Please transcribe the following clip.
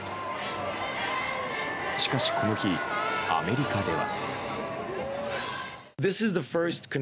しかし、この日アメリカでは。